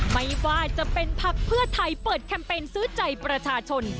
ไม่ว่าจะเป็นพักเพื่อไทยเปิดแคมเปญซื้อใจประชาชน